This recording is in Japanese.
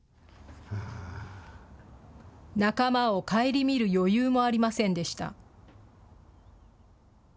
仲間を顧みる余裕もありませんでした。